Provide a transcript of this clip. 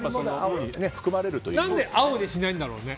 何で青にしないんだろうね。